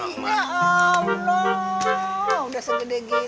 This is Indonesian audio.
iya allah udah segede gini